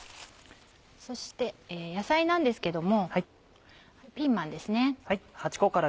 そして野菜なんですけどもピーマンですね。